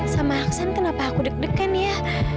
sama aksan kenapa aku deg degan ya